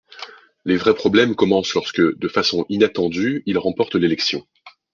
Les vrais problèmes commencent lorsque, de façon inattendue, il remporte l'élection.